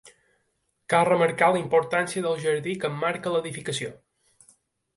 Cal remarcar la importància del jardí que emmarca l'edificació.